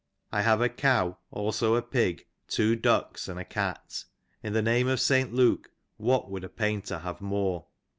^^ I have a cow, also a pig, two ducks and a cat. In the name of '' St. Luke what would a painter have more!"'